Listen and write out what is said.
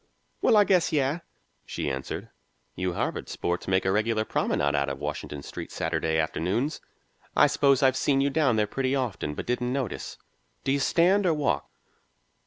"Well, I guess yes," she answered. "You Harvard sports make a regular promenade out o' Washington Street Saturday afternoons. I suppose I've seen you down there pretty often, but didn't notice. Do you stand or walk?"